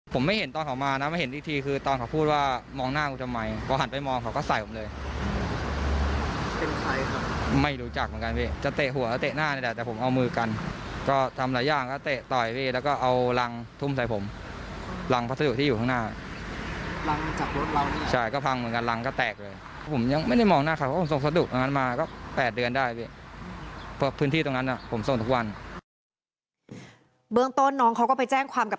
ผมไม่เห็นตอนเขามานะไม่เห็นอีกทีคือตอนเขาพูดว่ามองหน้ากูทำไมพอหันไปมองเขาก็ใส่ผมเลยเป็นใครครับไม่รู้จักเหมือนกันพี่จะเตะหัวแล้วเตะหน้านี่แหละแต่ผมเอามือกันก็ทำหลายอย่างก็เตะต่อยพี่แล้วก็เอารังทุ่มใส่ผมรังพัสดุที่อยู่ข้างหน้ารังจากรถเราใช่ก็พังเหมือนกันรังก็แตกเลยผมยังไม่ได้มองหน้าค่ะเพราะผมส่